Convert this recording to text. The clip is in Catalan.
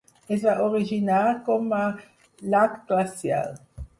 Es va originar com a llac glacial.